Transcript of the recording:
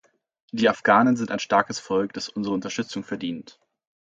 Die Afghanen sind ein starkes Volk, das unsere Unterstützung verdient.